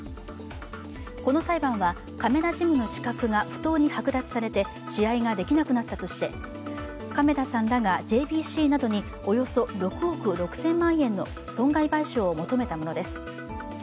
この裁判は亀田ジムの資格が不当に剥奪されて試合ができなくなったとして亀田さんらがＪＢＣなどにおよそ６億６０００万円の損害賠償を求めたものです。